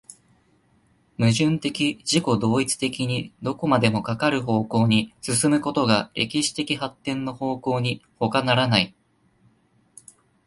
矛盾的自己同一的にどこまでもかかる方向に進むことが歴史的発展の方向にほかならない。